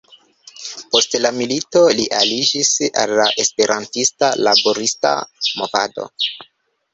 Post la milito li aliĝis al la esperantista laborista movado.